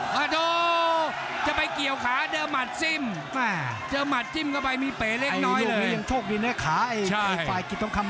ก็ไม่ออกมาดวงติงขวาอีก